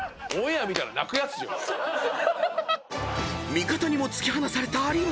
［味方にも突き放された有岡。